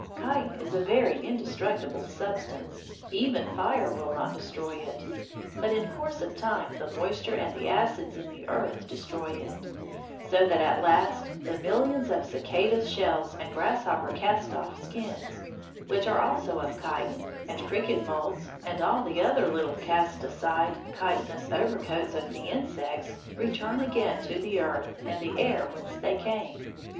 Chitin is a very indestructible substance; even fire will not destroy it, but in course of time the moisture and the acids in the earth destroy it, so that at last the millions of cicada shells and grasshopper cast off skins, which are also of chitin, and cricket moults, and all the other little cast aside chitinous overcoats of the insects, return again to the earth and the air whence they came.